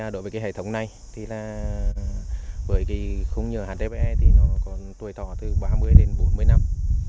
đối với hệ thống này khung nhựa hdpe thì nó còn tuổi thỏa từ ba mươi đến bốn mươi năm